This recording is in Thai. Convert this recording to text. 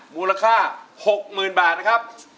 มูลค่า๖๐๐๐บาทนะครับ